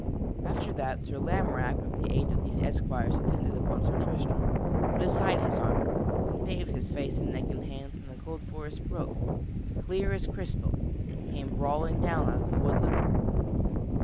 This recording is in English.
After that, Sir Lamorack, with the aid of these esquires attendant upon Sir Tristram, put aside his armor, and bathed his face and neck and hands in a cold forest brook, as clear as crystal, that came brawling down out of the woodlands.